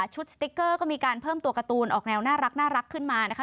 สติ๊กเกอร์ก็มีการเพิ่มตัวการ์ตูนออกแนวน่ารักขึ้นมานะคะ